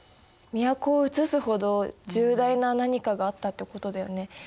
都をうつすほど重大な何かがあったってことだよね。